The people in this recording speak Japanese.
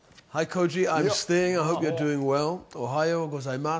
おはようございます。